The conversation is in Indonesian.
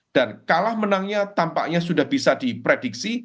dan kalah menangnya tampaknya sudah bisa diprediksi